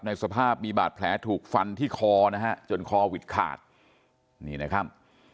สภาพมีบาดแผลถูกฟันที่คอนะฮะจนคอวิดขาดนี่นะครับ